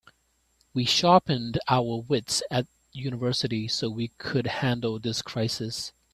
We sharpened our wits at university so we could handle this crisis.